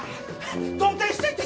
動転していて！